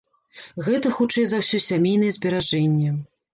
Гэта хутчэй за ўсё сямейныя зберажэнні.